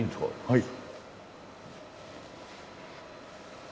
はい。